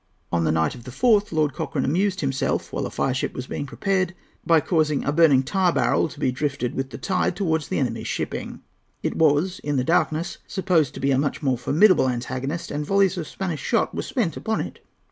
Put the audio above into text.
On the night of the 4th, Lord Cochrane amused himself, while a fireship was being prepared, by causing a burning tar barrel to be drifted with the tide towards the enemy's shipping. It was, in the darkness, supposed to be a much more formidable antagonist, and volleys of Spanish shot were spent upon it.